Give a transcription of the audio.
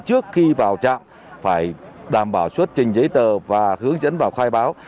trước khi vào trạm phải đảm bảo xuất trình giấy tờ và hướng dẫn vào khai báo